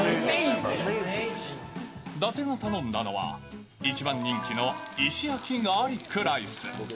伊達が頼んだのは、一番人気の石焼きガーリックライス。